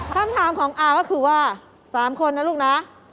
คำถามของอาก็คือว่า๓คนนะลูกนะ